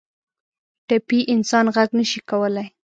ټپي انسان غږ نه شي کولی.